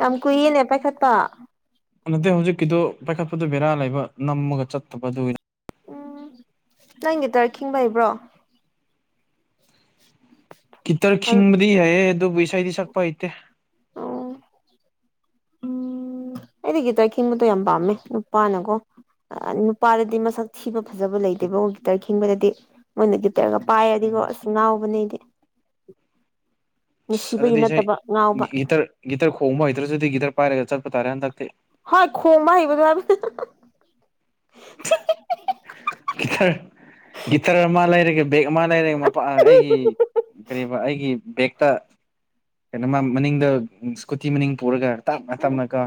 ꯌꯥꯝ ꯀꯨꯏꯌꯦꯅꯦ ꯄꯥꯏꯈꯠꯄ ꯅꯠꯇꯦ ꯍꯧꯖꯤꯛꯀꯤꯗ‌ꯣ ꯄꯥꯏꯈꯠꯄꯗꯣ ꯕꯦꯔꯥ ꯂꯩꯕ ꯅꯝꯃꯒ ꯆꯠꯇꯕꯗꯨ ꯎꯝ ꯅꯪ ꯒꯤꯇ ꯈꯤꯡꯕ ꯍꯩꯕ꯭ꯔꯣ ꯒꯤꯇꯔ ꯑꯣ ꯈꯤꯡꯕꯗꯤ ꯍꯩꯑꯦ ꯑꯗꯨꯕꯨ ꯏꯁꯩꯗꯤ ꯁꯛꯄ ꯍꯩꯇꯦ ꯑꯣ ꯎꯝ ꯑꯩꯗꯤ ꯒꯤꯇꯔ ꯈꯤꯡꯕꯗꯣ ꯌꯥꯝ ꯄꯥꯝꯃꯦ ꯅꯨꯄꯥꯅꯀꯣ ꯅꯨꯄꯥꯗꯗꯤ ꯃꯁꯛ ꯊꯤꯕ ꯐꯖꯕ ꯂꯩꯇꯦꯕ ꯑꯣ ꯒꯤꯇꯔ ꯈꯤꯡꯕꯗꯗꯤ ꯃꯣꯏꯅꯗꯤ ꯒꯤꯇꯔꯒ ꯄꯥꯏꯔꯗꯤꯀꯣ ꯑꯁ ꯉꯥꯎꯕꯅꯦ ꯑꯩꯗꯤ ꯑꯁ ꯅꯨꯡꯁꯤꯕꯒꯤ ꯑꯗꯨꯗꯤ ꯏꯁꯩ ꯅꯠꯇꯕ ꯉꯥꯎꯕ ꯒꯤꯇꯔ ꯒꯤꯇꯔ ꯈꯣꯡꯕ ꯍꯩꯇ꯭ꯔꯁꯨꯗꯤ ꯒꯤꯇꯔ ꯄꯥꯏꯔꯒ ꯆꯠꯄ ꯇꯥꯔꯦ ꯍꯟꯗꯛꯇꯤ ꯍꯩ ꯈ‌ꯣꯡꯕ ꯍꯩꯕꯗꯨ ꯍꯥꯏꯕꯅ [unintelligible] ꯒꯤꯇꯔ ꯑꯃ ꯂꯩꯔꯒ ꯕꯦꯛ ꯑꯃ ꯂꯩꯔꯒꯦ ꯃꯄꯥ ꯑꯩꯒꯤ ꯀꯔꯤꯕ ꯑꯩꯒꯤ ꯕꯦꯛꯇ ꯀꯩꯅꯣꯃ ꯃꯅꯤꯡꯗ ꯁ꯭ꯀꯨꯇꯤ ꯃꯅꯤꯡ ꯄꯨꯔꯒ ꯇꯞꯅ ꯇꯞꯅꯀ‌ꯣ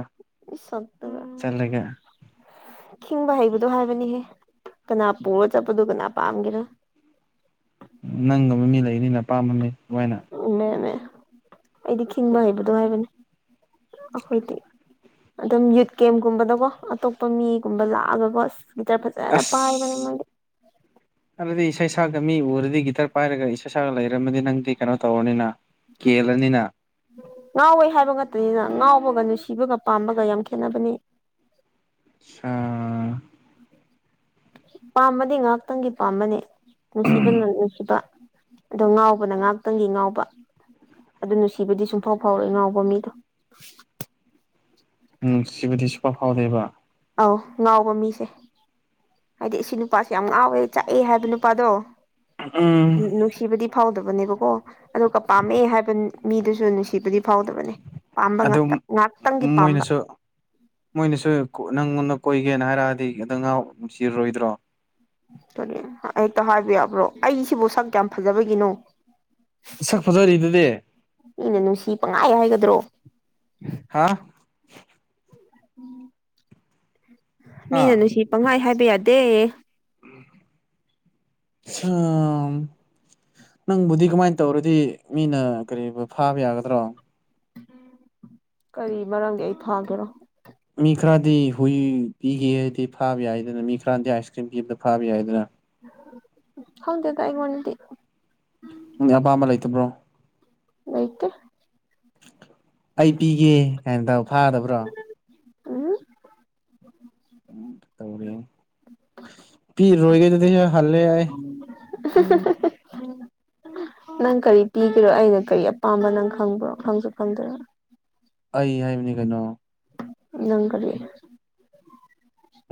ꯏ ꯁꯛꯇꯨꯒ ꯆꯠꯂꯒ ꯈꯤꯡꯕ ꯍꯩꯕꯗꯣ ꯍꯥꯏꯕꯅꯤꯍꯦ ꯀꯅꯥ ꯄꯨꯔ ꯆꯠꯄꯗꯣ ꯀꯅꯥ ꯄꯥꯝꯒꯦꯔꯥ ꯅꯪꯒꯨꯝꯃ ꯃꯤ ꯂꯩꯅꯤꯅ ꯄꯥꯝꯕ ꯃꯤ [unintelligible] ꯎꯅꯦꯅꯦ ꯑꯩꯗꯤ ꯈꯤꯡꯕ ꯍꯩꯕꯗꯣ ꯍꯥꯏꯕꯅꯦ ꯑꯩꯈꯣꯏꯗꯤ ꯑꯗꯨꯝ ꯌꯨꯠ ꯒꯦꯝꯒꯨꯝꯕꯗꯀꯣ ꯑꯇꯣꯞꯄ ꯃꯤꯒꯨꯝꯕ ꯂꯥꯛꯑꯒꯀꯣ ꯑꯁ ꯒꯤꯇꯔ ꯐꯖ ꯖꯅ ꯑꯁ ꯄꯥꯏꯕꯅꯦ ꯃ‌ꯣꯏꯗꯤ ꯑꯗꯨꯗꯤ ꯏꯁꯩ ꯁꯛꯑꯒ ꯃꯤ ꯎꯔꯗꯤ ꯒꯤꯇꯔ ꯄꯥꯏꯔꯒ ꯏꯁꯩ ꯁꯛꯑꯒ ꯂꯩꯔꯝꯃꯗꯤ ꯅꯪꯗꯤ ꯀꯩꯅꯣ ꯇꯧꯔꯅꯤꯅ [unintelligible] ꯀꯦꯜꯂꯅꯤꯅ ꯉꯥꯎꯋꯦ ꯍꯥꯏꯕ ꯉꯇꯅꯤꯅ ꯉꯥꯎꯕꯒ ꯅꯨꯡꯁꯤꯕꯒ ꯄꯥꯝꯕꯒ ꯌꯥꯝ ꯈꯦꯠꯅꯕꯅꯤ ꯑ ꯄꯥꯝꯕꯗꯤ ꯉꯥꯏꯍꯥꯛꯇꯪꯒꯤ ꯄꯥꯝꯕꯅꯤ ꯅꯨꯡꯁꯤꯕꯅ ꯅꯨꯡꯁꯤꯕ ꯑꯗꯣ ꯉꯥꯎꯕꯅ ꯉꯥꯛꯇꯪꯒꯤ ꯉꯥꯎꯕ ꯑꯗꯨ ꯅꯨꯡꯁꯤꯕꯗꯤ ꯁꯨꯡꯐꯥꯎ ꯐꯥꯎꯔ‌ꯣꯏ ꯉꯥꯎꯕ ꯃꯤꯗꯣ ꯅꯨꯡꯁꯤꯕꯗꯤ ꯁꯨꯡꯐꯥꯎ ꯐꯥꯎꯗꯦꯕ ꯑꯧ ꯉꯥꯎꯕ ꯃꯤꯁꯦ ꯍꯥꯏꯗꯤ ꯏꯁꯤ ꯅꯨꯄꯥꯁꯦ ꯌꯥꯝ ꯉꯥꯎꯋꯦ ꯆꯥꯛꯑꯦ ꯍꯥꯏꯕ ꯅꯨꯄꯥꯗꯣ ꯎꯝ ꯅꯨꯡꯁꯤ ꯅꯨꯡꯁꯤꯕꯗꯤ ꯐꯥꯎꯗꯕꯅꯦꯕꯀꯣ ꯑꯗꯨꯒ ꯄꯥꯝꯃꯦ ꯍꯥꯏꯕ ꯃꯤꯗꯨꯁꯨ ꯅꯨꯡꯁꯤꯕꯗꯤ ꯐꯥꯎꯗꯕꯅꯦ ꯄꯝꯕ ꯉꯥꯛꯇ ꯑꯗꯨꯝ ꯉꯥꯛꯇꯪꯒꯤ ꯄꯥꯝꯕ ꯃꯣꯏꯅꯁꯨ ꯃꯣꯏꯅꯁꯨ ꯅꯪꯉꯣꯟꯗ ꯀꯣꯏꯒꯦꯅ ꯍꯥꯏꯔꯛꯑꯗꯤ ꯑꯗ ꯉꯥꯎ ꯅꯨꯡꯁꯤꯔꯣꯏꯗ꯭ꯔꯣ ꯍꯦꯛꯇ ꯍꯥꯏꯕ ꯌꯥꯕ꯭ꯔꯣ ꯑꯩꯁꯤꯕꯨ ꯁꯛ ꯀꯌꯥꯝ ꯐꯖꯕꯒꯤꯅꯣ ꯅꯁꯛ ꯐꯖꯔꯤꯗꯨꯗꯤ ꯃꯤꯅ ꯅꯨꯡꯁꯤ ꯄꯪꯍꯥꯏ ꯍꯥꯏꯒꯗ꯭ꯔꯣ ꯍꯥ ꯍꯥ ꯃꯤꯅ ꯅꯨꯡꯁꯤ ꯄꯪꯍꯥꯏ ꯍꯥꯏꯕ ꯌꯥꯗꯦ [inaudible] [unintelligible] ꯅꯪꯕꯨꯗꯤ ꯀꯃꯥꯏꯅ ꯇꯧꯔꯗꯤ ꯃꯤꯅ ꯀꯔꯤꯕ ꯐꯥꯕ ꯌꯥꯒꯗ꯭ꯔꯣ ꯀꯔꯤ ꯃꯔꯝꯒꯤ ꯑꯩ ꯐꯥꯒꯦꯔꯣ ꯃꯤ ꯈꯔꯗꯤ ꯍꯨꯏ ꯄꯤꯒꯦꯍ‌ꯦꯗꯤ ꯐꯥꯕ ꯌꯥꯏꯗꯅ ꯃꯤ ꯈꯔꯗꯤ ꯑꯥꯏꯁ ꯀ꯭ꯔꯤꯝ ꯄꯤꯕꯗ ꯐꯥꯕ ꯌꯥꯏꯗꯅ ꯈꯪꯗꯦꯗ ꯑꯩꯉꯣꯟꯗꯗꯤ ꯃꯤ ꯑꯄꯥꯝꯕ ꯂꯩꯇꯕ꯭ꯔꯣ ꯂꯩꯇꯦ ꯑꯩ ꯄꯤꯒꯦ ꯀꯥꯏꯅ ꯇ ꯐꯥꯗꯕ꯭ꯔꯣ ꯑ ꯎ ꯄꯤ ꯔꯔꯣꯏꯒꯦ ꯍꯜꯂ ꯑꯩ ꯑꯁ ꯅꯪ ꯀꯔꯤ ꯄꯤꯒꯔꯣ ꯑꯩꯅ ꯀꯔꯤ ꯑꯄꯥꯝꯕ ꯅꯪ ꯈꯪꯕ꯭ꯔꯣ ꯈꯪꯁꯨ ꯈꯪꯗꯔ ꯑꯩ ꯍꯥꯏꯕꯅꯤ ꯀꯩꯅꯣ ꯅꯪ ꯀꯔꯤ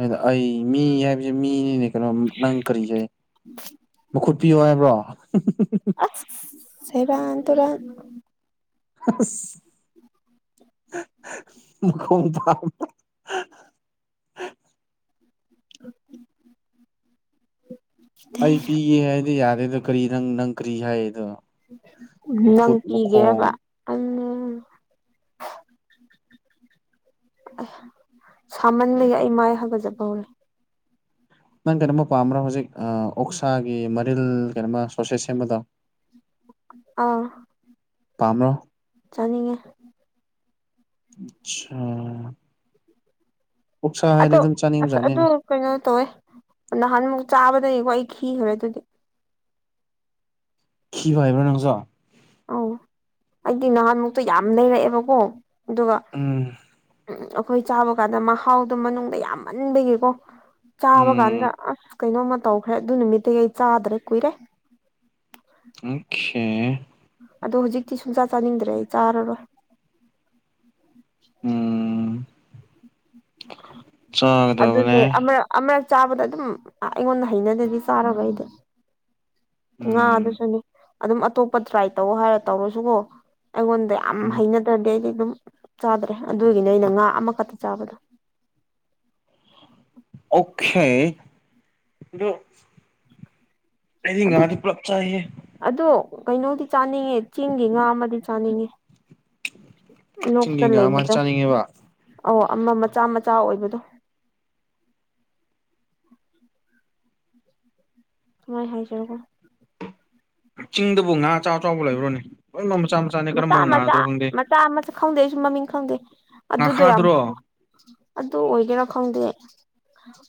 ꯑꯗ ꯑꯩ ꯃꯤ ꯍꯥꯏꯕꯁꯦ ꯃꯤꯅꯤꯅꯦ ꯀꯩꯅꯣ ꯅꯪ ꯀꯔꯤꯁꯦ ꯃꯈꯨꯠ ꯄꯤꯌꯣ ꯍꯥꯏꯕ꯭ꯔꯣ ꯑꯁ ꯁꯦꯔꯥꯟ ꯇꯨꯔꯥꯟ ꯑꯁ ꯃꯈꯣꯡ ꯑꯣ ꯑꯩ ꯄꯤꯒꯦ ꯍꯥꯏꯗꯤ ꯌꯥꯔꯦꯗ ꯀꯔꯤ ꯅꯪ ꯅꯪ ꯀꯔꯤ ꯍꯥꯏꯗꯣ ꯅꯪ ꯃꯈꯨꯠ ꯃꯈꯣꯡ ꯄꯤꯒꯦꯕ ꯑ ꯑ ꯁꯥꯃꯟꯕꯒ ꯑꯩ ꯃꯥꯏ ꯍꯥꯏꯒꯠꯖꯕ ꯍꯧꯔꯦ ꯅꯪ ꯀꯩꯅꯣꯝꯃ ꯄꯥꯝꯕ꯭ꯔꯣ ꯍꯧꯖꯤꯛ ꯑꯣꯛꯁꯥꯒꯤ ꯃꯔꯤꯜ ꯀꯩꯅꯣꯃ ꯁꯣꯁꯦꯁ ꯁꯦꯝꯕꯗꯣ ꯑꯥ ꯄꯥꯝꯕ꯭ꯔꯣ ꯆꯥꯅꯤꯡꯉꯦ ꯑꯆꯥ ꯑꯗꯣ ꯑꯗꯨꯝ ꯑꯁ ꯑꯗꯨ ꯆꯥꯅꯤꯡꯕꯖꯥꯠꯅꯤꯅꯦ ꯀꯩꯅꯣ ꯇꯧꯋꯦ ꯅꯍꯥꯟꯃꯨꯛ ꯆꯥꯕꯗꯒꯤꯀ ꯑꯩ ꯈꯤꯈ꯭ꯔꯦ ꯑꯗꯨꯗꯤ ꯀꯤꯕ ꯍꯥꯏꯕ꯭ꯔꯣ ꯅꯪꯖꯣ ꯑ ꯑꯩꯗꯤ ꯅꯍꯥꯟꯃꯨꯛꯇꯣ ꯌꯥꯝ ꯂꯩꯔꯛꯑꯦꯕꯀꯣ ꯑꯗꯨꯒ ꯎꯝ ꯑꯩꯈꯣꯏ ꯆꯥꯕ ꯀꯥꯟꯗ ꯃꯍꯥꯎꯗꯨꯣ ꯃꯅꯨꯡꯗ ꯌꯥꯝꯃꯟꯕꯒꯤꯀꯣ ꯆꯥꯕ ꯀꯥꯟꯗ ꯎꯝ ꯑꯁ ꯀꯩꯅꯣꯝꯃ ꯇꯧꯈ꯭ꯔꯦ ꯑꯗꯨ ꯅꯨꯃꯤꯠꯇꯒꯤ ꯑꯩ ꯆꯥꯗ꯭ꯔꯦ ꯀꯨꯏꯔꯦ ꯑꯣꯈꯦ ꯑꯗꯣ ꯍꯧꯖꯤꯛꯇꯤ ꯁꯨꯡꯁꯥ ꯆꯥꯅꯤꯡꯗ꯭ꯔꯦ ꯑꯩ ꯆꯥꯔꯔꯣꯏ ꯎꯝ ꯆꯥꯒꯗꯕꯅꯦ ꯑꯃꯨꯔꯛ ꯆꯥꯕꯗ ꯑꯗꯨꯝ ꯑꯩꯉꯣꯟꯗ ꯍꯩꯅꯗꯗꯤ ꯆꯥꯔꯕ ꯑꯩꯗꯤ ꯉꯥ ꯎꯝ ꯑꯗꯨꯁꯨꯅꯦ ꯑꯗꯨꯝ ꯑꯇꯣꯞꯄ ꯇ꯭ꯔꯥꯏ ꯇꯧ ꯍꯥꯏꯔ ꯇꯧꯔꯁꯨꯀꯣ ꯑꯩꯉꯣꯟꯗ ꯌꯥꯝ ꯎꯝ ꯍꯩꯅ ꯔꯗꯤ ꯑꯩꯗꯤ ꯑꯗꯨꯝ ꯆꯥꯗ꯭ꯔꯦ ꯑꯗꯨꯒꯤꯅꯦ ꯑꯩꯅ ꯉꯥ ꯑꯃꯈꯛꯇ ꯆꯥꯕꯗꯣ ꯑꯣꯈꯦ ꯑꯗꯨ ꯀ ꯑꯗꯨ ꯉꯥꯗꯤ ꯄꯨꯂꯞ ꯆꯥꯌꯦꯍꯦ ꯑꯗꯣ ꯀꯩꯅꯣꯗꯤ ꯆꯥꯅꯤꯡꯉꯦ ꯆꯦꯡꯒꯤ ꯉꯥ ꯑꯃꯗꯤ ꯆꯥꯅꯤꯡꯉꯦ ꯂꯣꯛꯇ ꯆꯤꯡꯒꯤ ꯉꯥ ꯃꯥꯗꯤ ꯂꯩꯕꯗꯣ ꯆꯥꯅꯤꯡꯉꯦꯕ ꯑꯣ ꯑꯃ ꯃꯆꯥ ꯃꯆꯥ ꯑꯣꯏꯕꯗꯣ ꯁꯃꯥꯏꯅ ꯍꯥꯏꯖꯔꯔꯕꯣ ꯆꯤꯡꯗꯕꯨ ꯉꯥ ꯑ ꯆꯥꯎ ꯑ ꯆꯥꯎꯕ ꯂꯩꯕ꯭ꯔꯣꯅꯦ ꯂꯣꯏꯅꯃꯛ ꯃꯆꯥ ꯃꯆꯥꯅꯤ ꯀꯔꯝꯕ ꯉꯥꯗ꯭ꯔꯣ ꯈꯪꯗꯦ ꯍ ꯑꯃꯁꯨ ꯈꯪꯗꯦ ꯑꯩꯁꯨ ꯃꯃꯤꯡ ꯈꯪꯗꯦ ꯑꯗꯨꯗꯣ ꯌꯥꯝ ꯉꯥꯈꯥꯗ꯭ꯔꯣ ꯑꯗꯨ ꯑꯣꯏꯒꯦꯔꯥ ꯈꯪꯗꯦ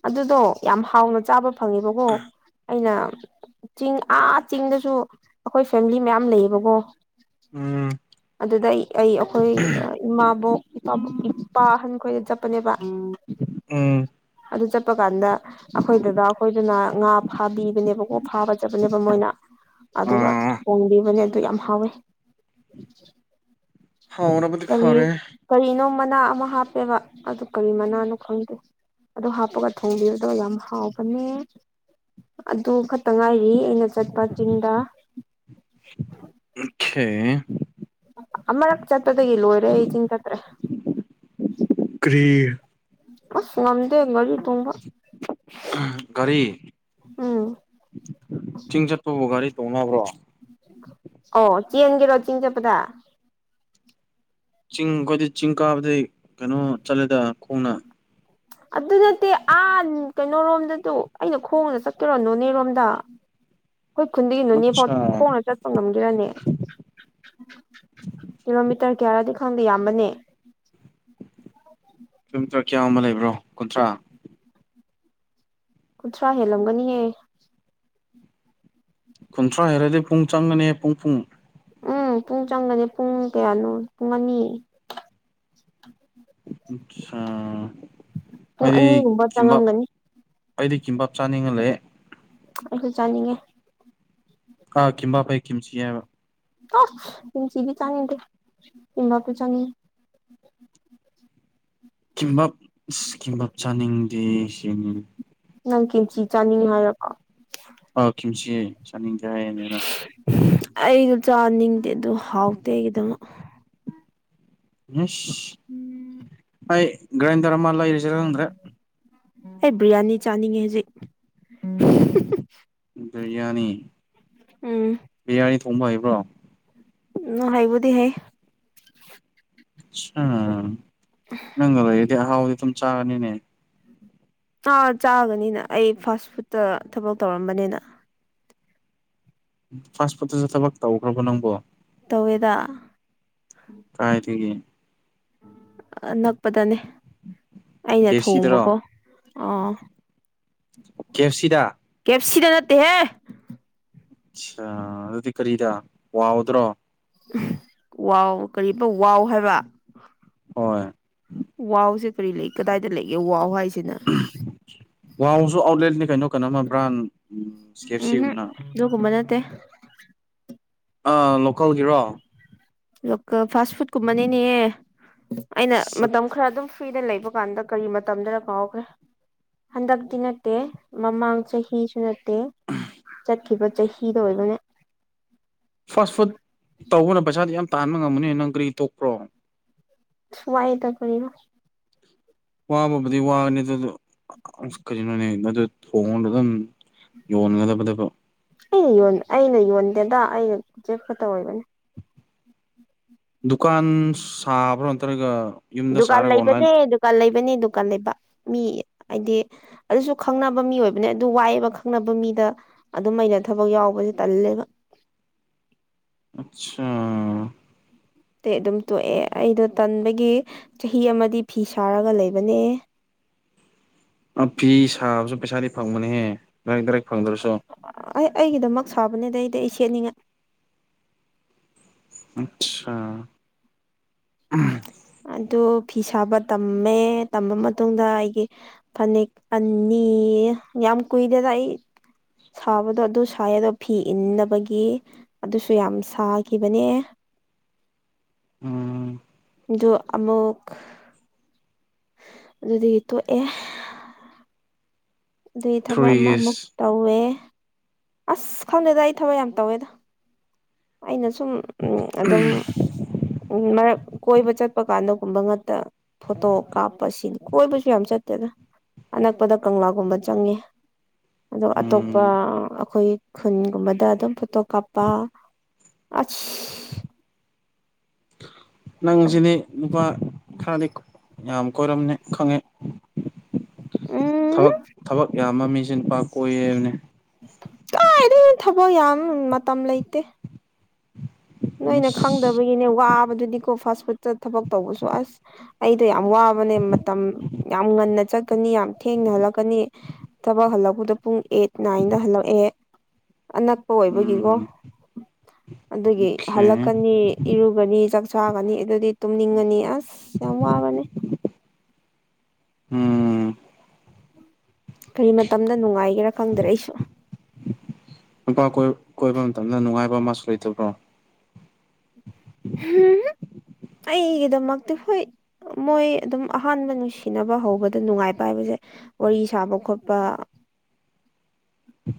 ꯑꯗꯨꯗꯣ ꯌꯥꯝ ꯍꯥꯎꯅ ꯆꯥꯕ ꯐꯪꯉꯦꯕꯀꯣ ꯑꯩꯅ ꯆꯤꯡ ꯑꯥ ꯆꯤꯡꯗꯁꯨ ꯑꯩꯈꯣꯏ ꯐꯦꯃꯤꯂꯤ ꯃꯌꯥꯝ ꯂꯩꯌꯦꯕꯀꯣ ꯎꯝ ꯑꯗꯨꯗ ꯑꯩ ꯑꯩ ꯑꯩꯈꯣꯏ ꯏꯃꯥꯕꯣꯛ ꯏꯄꯥ ꯏꯄꯥ ꯑꯍꯟ ꯈꯣꯏꯗ ꯆꯠꯄꯅꯦꯕ ꯎꯝ ꯑꯗꯨ ꯆꯠꯄ ꯀꯥꯟꯗ ꯑꯩꯈꯣꯏꯗꯨꯗ ꯑꯩꯈꯣꯏꯗꯨꯅ ꯉꯥ ꯐꯥꯕꯤꯕꯅꯦꯕꯀꯣ ꯐꯥꯕꯖꯕꯅꯦꯕ ꯃꯣꯏꯅ ꯑꯗꯨꯒ ꯑꯥ ꯊꯣꯡꯕꯤꯕꯅꯦ ꯑꯗꯨ ꯌꯥꯝ ꯍꯥꯎꯋꯦ ꯍꯥꯎꯔꯕꯗꯤ ꯀꯔꯤ ꯐꯔꯦ ꯀꯔꯤꯅꯣ ꯃꯅꯥ ꯑꯃ ꯍꯥꯞꯄꯦꯕ ꯑꯗꯨ ꯀꯔꯤ ꯃꯅꯥꯅꯣ ꯈꯪꯗꯦ ꯑꯗꯨꯗ ꯍꯥꯞꯄꯒ ꯊꯣꯡꯕꯤꯌꯨ ꯑꯗꯨꯒ ꯌꯥꯝ ꯍꯥꯎꯕꯅꯦ ꯑꯗꯨ ꯈꯛꯇ ꯉꯥꯏꯔꯤ ꯑꯩꯅ ꯆꯠꯄ ꯆꯤꯡꯗ ꯑꯣꯈꯦ ꯑꯃꯔꯛ ꯆꯠꯄꯗꯒꯤ ꯂꯣꯏꯔꯦ ꯑꯩ ꯆꯤꯡ ꯆꯠꯇ꯭ꯔꯦ ꯀꯔꯤ ꯑꯁ ꯉꯝꯗꯦ ꯃꯔꯤ ꯒꯥꯔꯤ ꯎꯝ ꯆꯤꯡ ꯆꯠꯄꯕꯨ ꯒꯥꯔꯤ ꯇꯣꯅꯕ꯭ꯔꯣ ꯑꯣ ꯆꯦꯟꯒꯦꯔꯣ ꯆꯤꯡ ꯆꯠꯄꯗ ꯆꯤꯡ ꯑꯩꯈꯣꯏꯗꯤ ꯆꯤꯡ ꯀꯥꯕꯗꯤ ꯀꯩꯅꯣ ꯆꯠꯂꯦꯗ ꯈꯣꯡꯅ ꯑꯗꯨ ꯅꯠꯇꯦ ꯑ ꯀꯩꯅꯣꯔꯣꯝꯗꯗꯨ ꯑꯩꯅ ꯈꯣꯡꯅ ꯆꯠꯀꯦꯔꯣ ꯅꯣꯅꯦꯔꯣꯝꯗ ꯑꯩꯈꯣꯏ ꯈꯨꯟꯗꯒꯤ ꯅꯣꯅꯦꯐꯥꯎ ꯑꯠꯆꯥ ꯈꯣꯡꯅ ꯆꯠ ꯉꯝꯗꯔꯅꯦ ꯀꯤꯂꯣꯃꯤꯇꯔ ꯀꯌꯥꯔꯗꯤ ꯈꯪꯗꯦ ꯌꯥꯝꯕꯅꯦ ꯆꯨꯝ ꯆꯔꯥ ꯀꯌꯥ ꯑꯃ ꯂꯩꯕ꯭ꯔꯣ ꯀꯨꯟꯊ꯭ꯔꯥ ꯀꯨꯟꯊ꯭ꯔꯥ ꯍꯦꯜꯂꯝꯒꯅꯤꯍꯦ ꯀꯨꯟꯊ꯭ꯔꯥ ꯍꯦꯜꯗꯤ ꯄꯨꯡ ꯆꯪꯒꯅꯤ ꯄꯨꯡ ꯄꯨꯡ ꯎꯝ ꯄꯨꯡ ꯆꯪꯒꯅꯤ ꯄꯨꯡ ꯀꯌꯥꯅꯣ ꯄꯨꯡ ꯑꯅꯤ ꯑꯆꯥ ꯄꯨꯡ ꯑꯩꯗꯤ ꯑꯅꯤꯒꯨꯝꯕ ꯀꯤꯝꯕꯥꯞ ꯆꯪꯉꯝꯒꯅꯤ ꯑꯩꯗꯤ ꯀꯤꯝꯕꯥꯞ ꯆꯥꯅꯤꯡꯉꯂꯩꯌꯦ ꯑꯩꯁꯨ ꯆꯥꯅꯤꯡꯉꯦ ꯀꯥ ꯀꯤꯝꯕꯥꯞꯄꯩ ꯀꯤꯞꯆꯤ ꯍꯥꯏꯕ ꯑꯁ ꯀꯤꯝꯆꯤꯗꯤ ꯆꯥꯅꯤꯡꯗꯦ ꯀꯤꯝꯚꯥꯞꯇꯤ ꯆꯥꯅꯤꯡꯉꯤ ꯀꯤꯝꯕꯞ ꯏꯁ ꯀꯤꯝꯕꯞ ꯆꯥꯅꯤꯡꯗꯦ ꯑꯁꯦꯡꯕꯅꯦ ꯅꯪ ꯀꯤꯝꯆꯤ ꯆꯥꯅꯤꯡ ꯍꯥꯏꯔꯀꯣ ꯑꯥ ꯀꯤꯝꯆꯤ ꯆꯥꯅꯤꯡꯇꯦ ꯍꯥꯏꯌꯦ ꯅꯦ ꯅꯪ ꯑꯩꯗꯣ ꯆꯥꯅꯤꯡꯗꯦ ꯑꯗꯨ ꯍꯥꯎꯇꯦ ꯑꯩꯒꯤꯗꯃꯛ ꯃꯤꯁ ꯑꯩ ꯒ꯭ꯔꯥꯏꯟꯗꯔ ꯑꯃ ꯂꯩꯔꯁꯤꯔꯈꯪꯗ꯭ꯔꯦ ꯑꯩ ꯕꯤ꯭ꯔꯌꯥꯅꯤ ꯆꯥꯅꯤꯡꯉꯦ ꯍꯧꯖꯤꯛ ꯕꯤꯔꯌꯥꯅꯤ ꯎꯝ ꯕꯤꯔꯌꯥꯅꯤ ꯊꯣꯡꯕ ꯍꯩꯕ꯭ꯔꯣ ꯅꯣ ꯍꯥꯏꯕꯨꯗꯤ ꯍꯩ ꯑꯠꯁꯥ ꯅꯪꯒ ꯂꯩꯔꯗꯤ ꯑꯍꯥꯎꯗꯤ ꯑꯗꯨꯝ ꯆꯥꯒꯅꯤꯅꯦ ꯑꯥ ꯆꯥꯒꯅꯤꯅ ꯑꯩ ꯐꯥꯁ ꯐꯨꯠꯇ ꯊꯕꯛ ꯇꯧꯔꯝꯕꯅꯤꯅ ꯐꯥꯁꯐꯨꯠꯇꯁꯨ ꯊꯕꯛ ꯇꯧꯈ꯭ꯔꯕꯣ ꯅꯪꯕꯣ ꯇꯧꯋꯦꯗ ꯀꯥꯏꯗꯒꯤ ꯑꯅꯛꯄꯗꯅꯦ ꯑꯩꯅ ꯀꯦ ꯑꯦꯐ ꯁꯤꯗꯔꯣ ꯊꯣꯡꯕꯀꯣ ꯑꯥ ꯀꯦ ꯑꯦꯐ ꯁꯤꯗ ꯀꯦꯞꯁꯤꯗ ꯅꯠꯇꯦꯍꯦ ꯑꯆꯥ ꯑꯗꯨꯗꯤ ꯀꯔꯤꯗ ꯋꯥꯎꯗ꯭ꯔꯣ ꯋꯥꯎ ꯀꯔꯤ ꯄ ꯋꯥꯎ ꯍꯥꯏꯕ ꯍꯣꯏ ꯋꯥꯎꯁꯦ ꯀꯔꯤ ꯂꯩ ꯀꯗꯥꯏꯗ ꯂꯩꯒꯦ ꯋꯥꯎ ꯍꯥꯏꯁꯤꯅ ꯋꯥꯎꯁꯨ ꯑꯥꯎꯠꯂꯦꯠꯅꯤ ꯀꯩꯅꯣ ꯀꯩꯅꯣꯃ ꯕ꯭ꯔꯥꯟ ꯁꯤ ꯀꯦꯑꯦꯐꯁꯤ ꯒꯨꯝꯅ ꯗꯨꯒꯨꯝꯕ ꯅꯠꯇꯦ ꯑ ꯂꯣꯀꯜꯒꯤꯔꯣ ꯂꯣꯀꯦꯜ ꯐꯥꯁ ꯐꯨꯗ ꯀꯨꯝꯕꯅꯤꯅꯦ ꯑꯩꯅ ꯃꯇꯝ ꯈꯔ ꯑꯗꯨꯝ ꯐ꯭ꯔꯤꯗ ꯂꯩꯕ ꯀꯥꯟꯗ ꯀꯔꯤ ꯃꯇꯝꯗꯅꯣ ꯀꯥꯎꯈ꯭ꯔꯦ ꯍꯟꯗꯛꯇꯤ ꯅꯠꯇꯦ ꯃꯃꯥꯡ ꯆꯍꯤꯁꯨ ꯅꯠꯇꯦ ꯆꯠꯈꯤꯕ ꯆꯍꯤꯗ ꯑꯣꯏꯕꯅꯦ ꯐꯥꯁ ꯐꯨꯗ ꯇꯧꯕꯅ ꯄꯩꯁꯥꯗꯤ ꯌꯥꯝ ꯇꯥꯟꯕ ꯉꯝꯃꯅꯦ ꯅꯪ ꯀꯔꯤ ꯇꯣꯛꯄ꯭ꯔꯣ? ꯁꯋꯥꯏ ꯇꯥ ꯀꯔꯤꯅꯣ ꯋꯥꯕꯕꯨꯗꯤ ꯋꯥꯅꯤ ꯑꯗꯨꯗꯣ ꯑ ꯀꯔꯤꯅꯣꯅꯦ ꯑꯗꯨ ꯊꯣꯡꯗ ꯑꯗꯨꯝ ꯌꯣꯟꯒꯗꯕꯗꯨ ꯑꯩꯅ ꯑꯩꯅ ꯌꯣꯟꯗꯦꯗ ꯑꯩꯅꯦꯛꯄ ꯇꯧꯕꯅꯤ꯫ ꯗꯨꯀꯥꯟ ꯁꯥꯕ꯭ꯔꯣ ꯅꯠꯇ꯭ꯔꯒ ꯌꯨꯝꯗ ꯗꯨꯀꯥꯟ ꯁꯥꯔꯒ ꯑꯣꯟꯂꯥꯏꯟ ꯂꯩꯕꯅꯦ ꯗꯨꯀꯥꯟ ꯂꯩꯕꯅꯦ ꯗꯨꯀꯥꯟ ꯂꯩꯕ ꯃꯤ ꯍꯥꯏꯗꯤ ꯑꯗꯨꯁꯨ ꯈꯪꯅꯕ ꯃꯤ ꯑꯣꯏꯕꯅꯦ ꯑꯗꯨ ꯋꯥꯏꯑꯦꯕ ꯈꯪꯅꯕ ꯃꯤꯗ ꯑꯗꯨꯝ ꯑꯩꯅ ꯊꯕꯛ ꯌꯥꯎꯕꯁꯦ ꯇꯜꯂꯦꯕ ꯑꯆꯥ ꯇꯦ ꯑꯗꯨꯝ ꯇꯣꯛꯑꯦ ꯑꯩꯗꯣ ꯇꯟꯕꯒꯤ ꯆꯍꯤ ꯑꯃꯗꯤ ꯐꯤ ꯁꯥꯔꯒ ꯂꯩꯕꯅꯦ꯫ ꯑ ꯐꯤ ꯁꯥꯕꯁꯨ ꯄꯩꯁꯥꯗꯤ ꯐꯪꯕꯅꯦꯍꯦ ꯗꯥꯏꯔꯤꯛ ꯗꯥꯏꯦꯛ ꯐꯪꯗ꯭ꯔꯁꯨ꯫ ꯑꯩ ꯑꯩꯒꯤꯗꯃꯛ ꯁꯥꯕꯅꯦꯗ ꯑꯩꯗꯤ ꯑꯩ ꯁꯦꯠꯅꯤꯡꯉꯥꯏ꯫ ꯑꯆꯥ ꯑꯗꯨ ꯐꯤ ꯁꯥꯕ ꯇꯝꯃꯦ ꯇꯃ ꯃꯇꯨꯡꯗ ꯑꯩꯒꯤ ꯐꯅꯦꯛ ꯑꯅꯤ ꯌꯥꯝ ꯀꯨꯏꯔꯦꯗ ꯑꯩ ꯁꯥꯕꯗꯣ ꯑꯗꯨ ꯁꯥꯏꯌꯦ ꯑꯗꯣ ꯐꯤ ꯏꯟꯗꯕꯒꯤ ꯑꯗꯨꯁꯨ ꯌꯥꯝ ꯁꯥꯈꯤꯕꯅꯦ꯫ ꯎꯝ ꯑꯗꯣ ꯑꯃꯨꯛ ꯑꯗꯨꯗꯤ ꯇꯣꯛꯑꯦ ꯑꯗꯨꯏ ꯊꯕꯛ ꯊ꯭ꯔꯤ ꯑꯃ ꯏꯁ ꯑꯃꯨꯛ ꯇꯧꯋꯦ ꯑꯁ ꯈꯪꯗꯦꯗ ꯑꯩ ꯊꯕꯛ ꯌꯥꯝ ꯇꯧꯋꯦꯗ ꯑꯩꯅ ꯁꯨꯝ ꯑꯗꯨꯝ ꯎ ꯃꯔꯛ ꯀꯣꯏꯕ ꯆꯠꯄ ꯀꯥꯟꯗꯒꯨꯝꯕ ꯉꯥꯛꯇ ꯐꯣꯇꯣ ꯀꯥꯞꯄ ꯁꯤꯅꯤ ꯀꯣꯏꯕꯁꯨ ꯌꯥꯝ ꯆꯠꯇꯦꯗ ꯑꯅꯛꯄꯗ ꯀꯪꯂꯥꯒꯨꯝꯕ ꯆꯪꯉꯦ꯫ ꯑꯣ ꯑꯇꯣꯞꯄ ꯎꯝ ꯑꯩꯈꯣꯏ ꯈꯨꯟꯒꯨꯝꯕꯗ ꯑꯗꯨꯝ ꯐꯣꯇꯣ ꯀꯥꯞꯄ ꯑꯁ ꯅꯪꯁꯤꯗꯤ ꯅꯨꯨꯄꯥ ꯈꯔꯗꯤ ꯌꯥꯝ ꯀꯣꯏꯔꯝꯅꯤ ꯈꯪꯉꯦ꯫ ꯎꯝ ꯊꯕꯛ ꯊꯕꯛ ꯌꯥꯝꯕ ꯃꯤꯁꯤꯤꯟ ꯄꯥꯛ ꯀꯣꯏꯌꯦꯕꯅꯦ꯫ ꯀꯥꯏꯗꯒꯤ ꯊꯕꯛ ꯌꯥꯝ ꯃꯇꯝ ꯂꯩꯇꯦ꯫ ꯅꯣꯏ ꯑꯅ ꯏꯁ ꯈꯪꯗꯕꯒꯤꯅꯦ ꯋꯥꯕꯗꯨꯗꯤꯀꯣ ꯐꯥꯁ ꯐꯨꯗꯇ ꯊꯕꯛ ꯇꯧꯕꯁꯨ ꯑꯁ ꯑꯩꯗꯣ ꯌꯥꯝ ꯋꯥꯕꯅꯦ ꯃꯇꯝ ꯌꯥꯝ ꯉꯟꯅ ꯆꯠ ꯛꯀꯅꯤ ꯌꯥꯝ ꯊꯦꯡꯅ ꯍꯜꯂꯛꯀꯅꯤ ꯊꯕꯛ ꯍꯜꯂꯛꯄꯗ ꯄꯨꯡ ꯑꯦꯠ ꯅꯥꯏꯟꯗ ꯍꯜꯂꯛꯑꯦ ꯑꯅꯛꯄ ꯑꯣꯏꯕꯒꯤꯀꯣ ꯎꯝ ꯑꯗꯨꯒꯤ ꯑꯣꯀꯦ ꯍꯜꯂꯛꯀꯅꯤ ꯏꯔꯨꯒꯅꯤ ꯆꯥꯛꯆꯥꯒꯅꯤ ꯑꯗꯨꯗꯤ ꯇꯨꯝꯅꯤꯡꯉꯅꯤ ꯑꯁ ꯌꯥꯝ ꯋꯥꯒꯅꯤ꯫ ꯎꯝ ꯀꯔꯤ ꯃꯇꯝꯗ ꯅꯨꯡꯉꯥꯏꯒꯦꯔꯥ ꯈꯪꯗꯔꯦ ꯑꯩꯁꯨ ꯅꯨꯄꯥ ꯀꯣꯏꯕ ꯃꯇꯝꯗ ꯅꯨꯡꯉꯥꯏꯕ ꯑꯃꯁꯨ ꯂꯩꯇꯕ꯭ꯔꯣ? ꯑꯩꯒꯤꯗꯃꯛꯇꯤ ꯍꯣꯏ ꯃꯣꯏ ꯑꯗꯨꯝ ꯑꯍꯥꯟꯕ ꯅꯨꯡꯁꯤꯅꯕ ꯍꯧꯕꯗ ꯅꯨꯡꯉꯥꯏꯕ ꯍꯥꯏꯕꯅꯦ꯫ ꯋꯥꯔꯤ ꯁꯥꯕ ꯈꯣꯠꯄ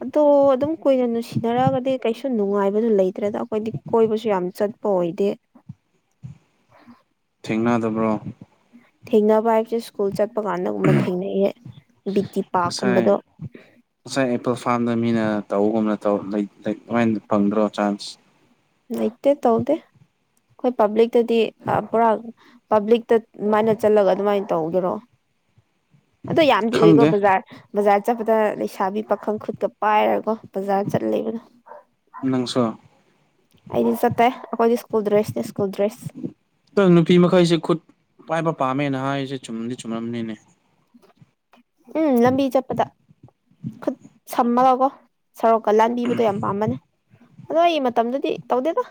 ꯑꯗꯣ ꯑꯗꯨꯝ ꯀꯨꯏꯅ ꯅꯨꯡꯁꯤꯅꯔꯛꯑꯒꯗꯤ ꯀꯩꯁꯨ ꯅꯨꯡꯉꯥꯏꯕꯗꯨ ꯂꯩꯇ꯭ꯔꯦꯗ ꯑꯩꯈꯣꯏꯗꯤ ꯀꯣꯏꯕꯁꯨ ꯌꯥꯝ ꯆꯠ ꯀꯣꯏꯗꯦ ꯊꯦꯡꯅꯗꯕ꯭ꯔꯣ? ꯊꯦꯡꯅꯕ ꯍꯥꯏꯕꯁꯦ ꯁ꯭ꯀꯨꯜ ꯆꯠꯄ ꯀꯥꯟꯗꯒꯨꯝꯕ ꯊꯦꯡꯅꯩꯑꯦ ꯕꯤ ꯇꯤ ꯄꯥꯔꯀꯨꯝꯕꯗꯣ ꯉꯁꯥꯏ ꯉꯁꯥꯏ ꯑꯦꯄꯜ ꯐꯥꯔꯝꯗ ꯃꯤꯅ ꯇꯧꯕꯒꯨꯝꯅ ꯇꯧ ꯑꯗꯨꯃꯥꯏꯅ ꯐꯪꯗ꯭ꯔꯣ ꯆꯥꯟꯁ ꯂꯩꯇꯦ ꯇꯧꯗꯦ ꯑꯩꯈꯣꯏ ꯄꯥꯕ꯭ꯂꯤꯛꯇꯗꯤ ꯄꯨꯔꯥ ꯄꯕ꯭ꯂꯤꯛꯇ ꯃꯥꯏꯅ ꯆꯠꯂꯒ ꯑꯗꯨꯃꯥꯏꯅ ꯇꯧꯒꯦꯔꯣ? ꯑꯗꯣ ꯌꯥꯝꯗꯤ ꯎꯏꯀꯣ ꯈꯪꯗꯦ ꯕꯖꯥꯔ ꯕꯖꯥꯔ ꯆꯠꯄꯗ ꯂꯩꯁꯥꯕꯤ ꯄꯥꯈꯪ ꯈꯨꯠꯀ ꯄꯥꯏꯔꯒꯣ ꯕꯖꯥꯔ ꯆꯠ ꯂꯩꯕꯅꯣ꯫ ꯅꯪꯁꯣ ꯑꯩꯗꯤ ꯆꯠꯇꯦ ꯑꯩꯈꯣꯏꯗꯤ ꯁ꯭ꯀꯨꯜ ꯗ꯭ꯔꯦꯁꯅꯦ ꯁ꯭ꯀꯨꯜ ꯗ꯭ꯔꯦꯁ ꯑꯪ ꯅꯨꯄꯤ ꯃꯈꯩꯁꯦ ꯈꯨꯠ ꯄꯥꯏꯕ ꯄꯥꯝꯃꯦꯅ ꯍꯥꯏꯔꯤꯁꯦ ꯆꯨꯝꯗꯤ ꯆꯨꯝꯔꯝꯅꯤꯅꯦ ꯎꯝ ꯂꯝꯕꯤ ꯆꯠꯄꯗ ꯈꯨꯠ ꯁꯝꯃꯒꯀꯣ ꯁꯔꯣꯛꯀ ꯂꯥꯟꯕꯤꯕꯗꯣ ꯌꯥꯝ ꯄꯥꯝꯕꯅꯦ ꯅꯣꯏꯒꯤ ꯃꯇꯝꯗꯗꯤ ꯇꯧꯗꯦꯗ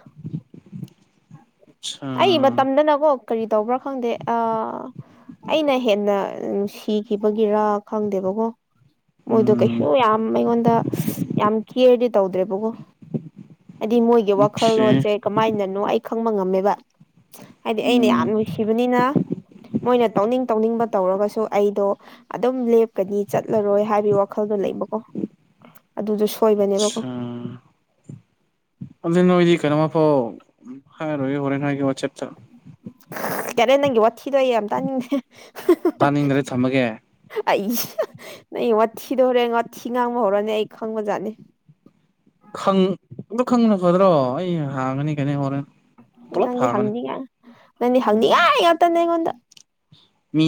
ꯑꯠꯁꯥ ꯑꯩ ꯃꯇꯝꯗꯅꯀꯣ ꯀꯔꯤ ꯇꯧꯕ꯭ꯔꯥ ꯈꯪꯗꯦ ꯑꯥ ꯑꯩꯅ ꯍꯦꯟꯅ ꯅꯨꯡꯁꯤ ꯕꯒꯤꯔ ꯈꯪꯗꯦꯕꯀꯣ ꯃꯣꯏꯗꯣ ꯀꯩꯁꯨ ꯎꯝ ꯌꯥꯝ ꯑꯩꯉꯣꯟꯗ ꯌꯥꯝꯃ ꯀꯤꯔꯥꯗꯤ ꯇꯧꯗ꯭ꯔꯦ ꯕꯒꯨ ꯍꯥꯏꯗꯤ ꯃꯣꯏꯒꯤ ꯑꯣꯀꯦ ꯋꯥꯈꯜꯂꯣꯟꯁꯦ ꯀꯃꯥꯏꯅꯅꯣ ꯑꯩ ꯈꯪꯕ ꯉꯝꯃꯦꯕ ꯍꯥꯏꯗꯤ ꯑꯩꯅ ꯌꯥꯝ ꯎꯝ ꯅꯨꯡꯁꯤꯕꯅꯤꯅ ꯃꯣꯏꯅ ꯇꯧꯅꯤꯡ ꯇꯧꯅꯤꯡꯕ ꯇꯧꯔꯒꯁꯨ ꯑꯩꯗꯣ ꯑꯗꯨꯝ ꯂꯦꯞꯀꯅꯤ ꯆꯠꯂꯔꯣꯏ ꯍꯥꯏꯕꯒꯤ ꯋꯥꯈꯜꯗꯣ ꯂꯩꯕꯀꯣ ꯑꯗꯨꯗꯁꯨ ꯑꯆꯥ ꯑꯗꯨ ꯅꯣꯏꯗꯤ ꯀꯩꯅꯃꯄꯥꯎ ꯍꯥꯏꯔꯣ ꯍꯣꯔꯦꯟ ꯍꯥꯏ ꯋꯥꯠꯆꯞꯇ ꯌꯔꯦ ꯅꯪꯒꯤ ꯋꯥꯠꯊꯤꯗꯣꯏ ꯑꯩ ꯌꯥꯝ ꯇꯥꯅꯤꯡꯗꯦ ꯇꯥꯅꯤꯡꯗ꯭ꯔ ꯊꯝꯃꯒꯦ ꯑꯩꯁꯦ ꯅꯩ ꯋꯥ ꯊꯤꯗꯧꯔꯦ ꯋꯥꯊꯤ ꯉꯥꯡꯕ ꯍꯧꯔꯅꯤ ꯑꯩ ꯈꯪꯕꯖꯥꯠꯅꯦ ꯈꯪ ꯑꯗꯨ ꯈꯪꯅ ꯐꯗ꯭ꯔꯣ ꯑꯩ ꯍꯥꯡꯒꯅꯤ ꯀꯩꯅ ꯍꯔꯦꯟ ꯄꯨꯂꯞ ꯍꯥꯡꯉꯥꯅꯤ ꯅꯤꯗꯤ ꯍꯪꯅꯤꯒꯥꯏ ꯉꯛꯇꯅꯦ ꯑꯩꯒꯣꯟꯗꯥ ꯃꯤ